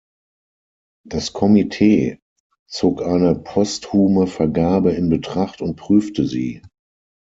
Das Komitee zog eine posthume Vergabe in Betracht und prüfte sie.